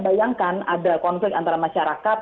bayangkan ada konflik antara masyarakat